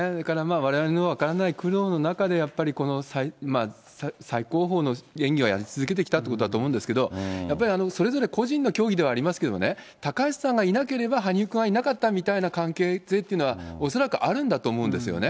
われわれには分からない苦労の中で、やっぱりこの最高峰の演技をやり続けてきたということだと思うんですけど、やっぱりそれぞれ個人の競技ではありますけどね、高橋さんがいなければ、羽生君はいなかったみたいな関係性っていうのは、恐らくあるんだと思うんですよね。